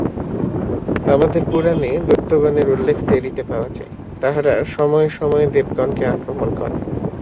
আমাদের পুরাণে দৈত্যগণের উল্লেখ দেখিতে পাওয়া যায়, তাহারা সময়ে সময়ে দেবগণকে আক্রমণ করে।